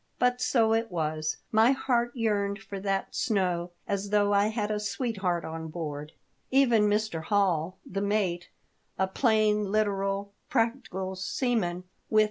But so it was. My heart yearned for that snow as though I had a sweetheart on board. Even Mr. Hall, the mate, a plain, literal, practical seaman, with 8 THE DEATH SHIP.